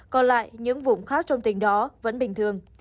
còn lại những vùng khác trong tỉnh đó vẫn bình thường